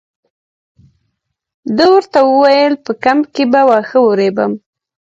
ده ورته وویل په کمپ کې به واښه ورېبم.